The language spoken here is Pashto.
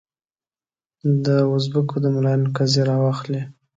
دوزبکو د ملایانو قضیه راواخلې.